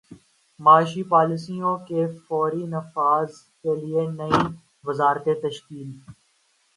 معاشی پالیسیوں کے فوری نفاذ کیلئے نئی وزارتیں تشکیل